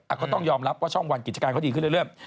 ก็ต้องยอมรับว่าช่องวันกิจการเขาดีขึ้นเรื่อย